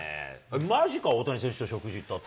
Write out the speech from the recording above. まじか、大谷選手と食事に行ったって？